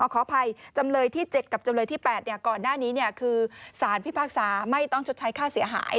ขออภัยจำเลยที่๗กับจำเลยที่๘ก่อนหน้านี้คือสารพิพากษาไม่ต้องชดใช้ค่าเสียหาย